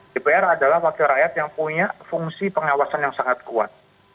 dpr adalah wakil rakyat yang punya fungsi pengawasan yang sangat kuat